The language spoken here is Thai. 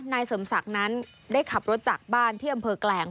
นายเสริมศักดิ์นั้นได้ขับรถจากบ้านที่อำเภอแกลง